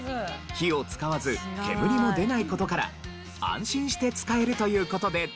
火を使わず煙も出ない事から安心して使えるという事で大ヒット。